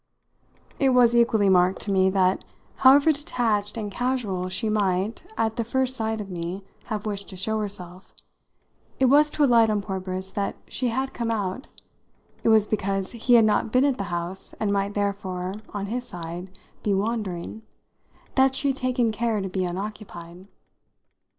It was equally marked to me that, however detached and casual she might, at the first sight of me, have wished to show herself, it was to alight on poor Briss that she had come out, it was because he had not been at the house and might therefore, on his side, be wandering, that she had taken care to be unaccompanied.